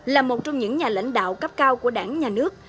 là một trong những nhà lãnh đạo cấp cao của đảng nhà nước